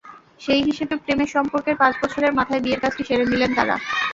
সেই হিসেবে প্রেমের সম্পর্কের পাঁচ বছরের মাথায় বিয়ের কাজটি সেরে নিলেন তাঁরা।